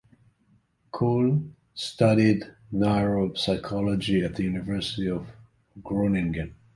Cools studied neuropsychology at the University of Groningen.